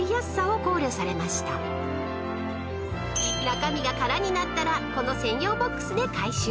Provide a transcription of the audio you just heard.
［中身が空になったらこの専用ボックスで回収］